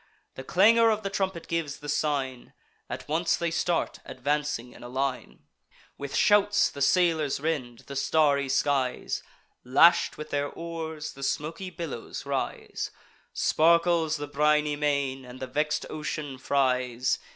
The clangour of the trumpet gives the sign; At once they start, advancing in a line: With shouts the sailors rend the starry skies; Lash'd with their oars, the smoky billows rise; Sparkles the briny main, and the vex'd ocean fries.